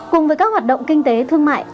cùng với các hoạt động kinh tế thương mại